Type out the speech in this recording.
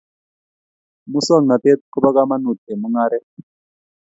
Musong'natet ko ba kamanut eng' mung'aret